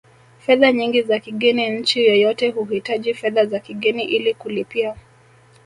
fedha nyingi za kigeni nchi yoyote huhitaji fedha za kigeni ili kulipia